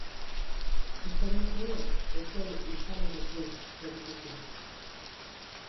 Izenak, baina, ez zuen izanarekin zerikusirik.